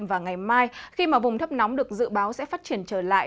và ngày mai khi vùng thấp nóng được dự báo sẽ phát triển trở lại